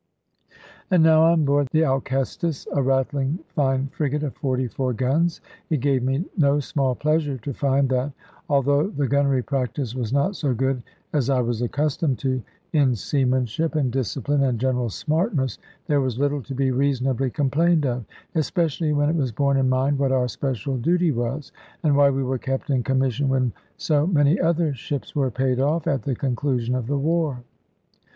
And now on board the Alcestis, a rattling fine frigate of 44 guns, it gave me no small pleasure to find that (although the gunnery practice was not so good as I was accustomed to), in seamanship, and discipline, and general smartness, there was little to be reasonably complained of; especially when it was borne in mind what our special duty was, and why we were kept in commission when so many other ships were paid off, at the conclusion of the war.